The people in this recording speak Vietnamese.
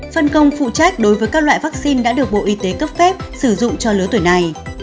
phân công phụ trách đối với các loại vaccine đã được bộ y tế cấp phép sử dụng cho lứa tuổi này